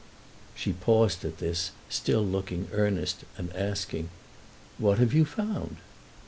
She paused at this, still looking earnest and asking: "What have you found?"